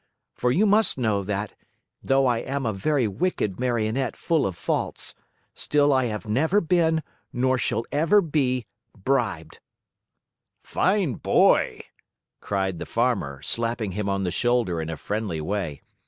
For you must know that, though I am a very wicked Marionette full of faults, still I never have been, nor ever shall be, bribed." "Fine boy!" cried the Farmer, slapping him on the shoulder in a friendly way.